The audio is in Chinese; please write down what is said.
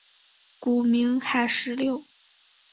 古名海石榴。